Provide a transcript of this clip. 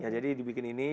jadi dibikin ini